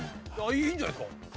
いいんじゃないですか？